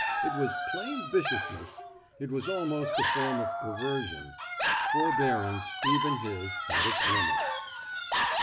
It was plain viciousness. It was almost a form of perversion. Forbearance, even his, had its limits.